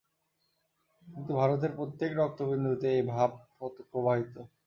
কিন্তু ভারতের প্রত্যেক রক্তবিন্দুতে এই ভাব প্রবাহিত।